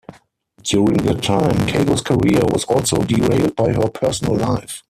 During that time, Kago's career was also derailed by her personal life.